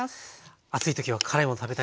暑い時は辛いもの食べたいですよね。